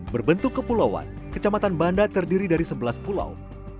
berbentuk kepulauan kecamatan banda terdiri dari sebelas pulau